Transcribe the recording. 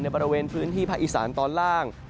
บริเวณพื้นที่ภาคอีสานตอนล่าง